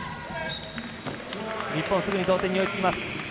日本、すぐに同点に追いつきます。